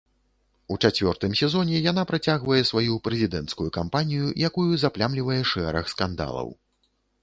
У чацвёртым сезоне яна працягвае сваю прэзідэнцкую кампанію, якую заплямлівае шэраг скандалаў.